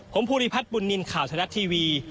ผมภูริพัฒน์บุญนินทร์ข่าวไทยรัฐทีวี